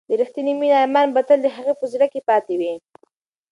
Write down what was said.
د ریښتینې مینې ارمان به تل د هغې په زړه کې پاتې وي.